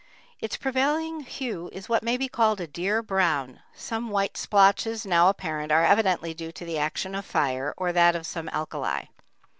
Its prevailing hue is what may be called a "deer brown"; some white splotches now apparent are evidently due to the action of fire or that of some alkali.